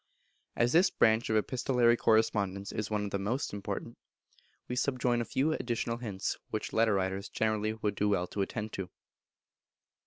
As this branch of epistolary correspondence is one of the most important, we subjoin a few additional hints which letter writers generally would do well to attend to.